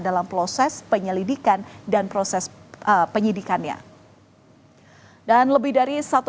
di lemari atau akaun dalam atau queens tersebut juga terlihat bahwa